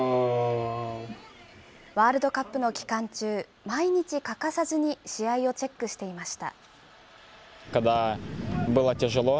ワールドカップの期間中、毎日欠かさずに試合をチェックしていました。